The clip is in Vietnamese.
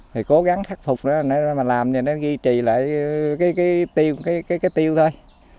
thì cố gắng thắc phục làm như nó ghi trì lại cái tiêu thôi